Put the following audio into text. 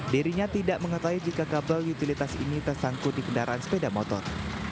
dirinya tidak mengetahui jika kabel utilitas ini tersangkut di kendaraan sepeda motor